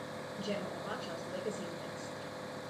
General Abacha's legacy is mixed.